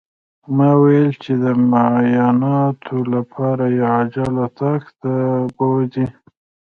ما ويل چې د معايناتو لپاره يې عاجل اتاق ته بوځئ.